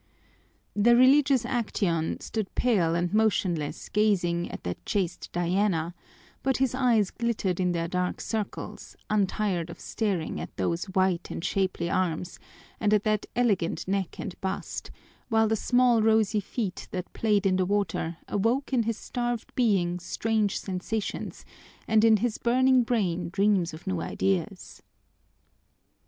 The religious Acteon stood pale and motionless gazing at that chaste Diana, but his eyes glittered in their dark circles, untired of staring at those white and shapely arms and at that elegant neck and bust, while the small rosy feet that played in the water awoke in his starved being strange sensations and in his burning brain dreams of new ideas.